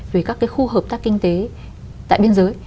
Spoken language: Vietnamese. về các cái khu hợp tác kinh tế tại biên giới